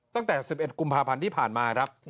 ตั้งแต่๑๑กุมภาพันธ์ที่ผ่านมาครับ